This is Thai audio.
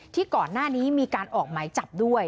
ที่ก่อนหน้านี้มีการออกหมายจับด้วย